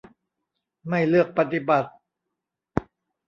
ไม่เลือกปฏิบัติ